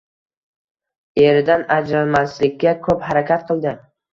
Eridan ajralmaslikka ko`p harakat qildi